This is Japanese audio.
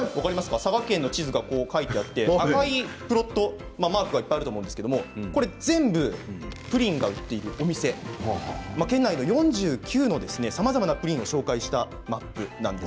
佐賀県の地図が描いてあって赤いマークがいっぱいあると思うんですけれどこれ全部プリンを売っているお店県内だけで４９のさまざまなプリンを紹介したマップなんです。